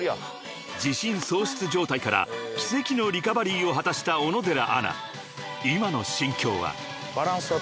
［自信喪失状態から奇跡のリカバリーを果たした小野寺アナ］